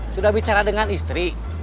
sudah bicara dengan istri